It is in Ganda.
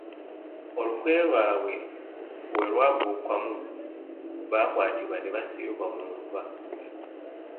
Olukwe lwabwe bwe lwaggukwamu, baakwatibwa ne bassibwa mu nvuba.